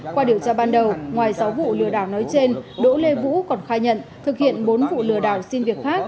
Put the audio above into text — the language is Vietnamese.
qua điều tra ban đầu ngoài sáu vụ lừa đảo nói trên đỗ lê vũ còn khai nhận thực hiện bốn vụ lừa đảo xin việc khác